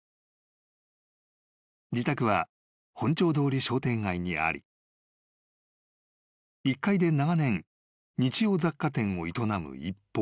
［自宅は本町通り商店街にあり１階で長年日用雑貨店を営む一方］